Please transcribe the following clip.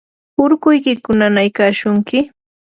¿urkuykiku nanaykashunki?